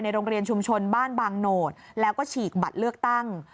โรงเรียนชุมชนบ้านบางโหนดแล้วก็ฉีกบัตรเลือกตั้ง